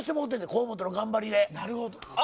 河本の頑張りで。